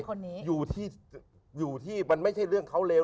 คนนี้อยู่ที่อยู่ที่มันไม่ใช่เรื่องเขาเร็ว